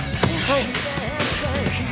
はい！